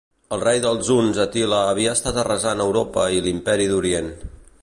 El rei dels huns Àtila havia estat arrasant Europa i l'Imperi d'Orient.